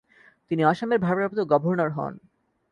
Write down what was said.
তিনি আসামের ভারপ্রাপ্ত গভর্নর হন।